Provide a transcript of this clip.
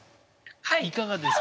いかがですか？